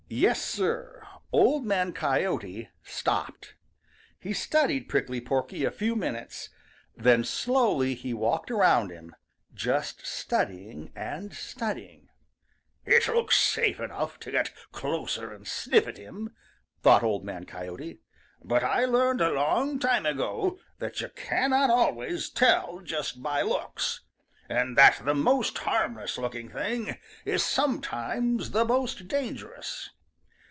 Yes, Sir, Old Man Coyote stopped. He studied Prickly Porky a few minutes. Then slowly he walked around him, just studying and studying. [Illustration: 0102] "It looks safe enough to go closer and sniff at him," thought Old Man Coyote, "but I learned a long time ago that you cannot always tell just by looks, and that the most harmless looking thing is sometimes the most dangerous.